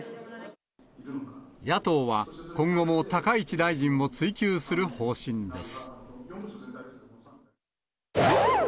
野党は、今後も高市大臣を追及する方針です。